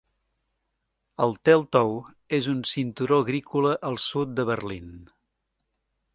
El Teltow és un cinturó agrícola al sud de Berlín.